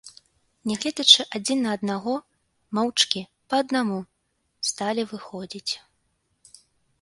Не гледзячы адзін на аднаго, моўчкі, па аднаму, сталі выходзіць.